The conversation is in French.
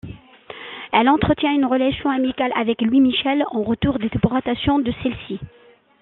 Elle entretint une relation amicale avec Louise Michel au retour de déportation de celle-ci.